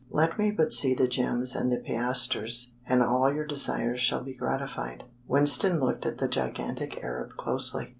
Let me but see the gems and the piastres and all your desires shall be gratified." Winston looked at the gigantic Arab closely.